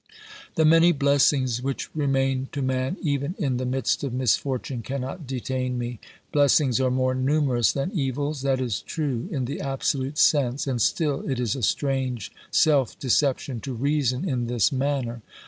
The many blessings which remain to man even in the midst of misfortune cannot detain me. Blessings are more OBERMANN 141 numerous than evils ; that is true in the absolute sense, and still it is a strange self deception to reason in this manner.